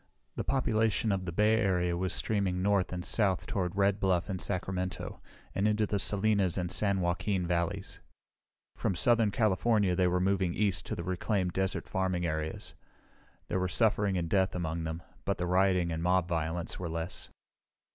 The population of the Bay Area was streaming north and south toward Red Bluff and Sacramento, and into the Salinas and San Joaquin valleys. From southern California they were moving east to the reclaimed desert farming areas. There were suffering and death among them, but the rioting and mob violence were less.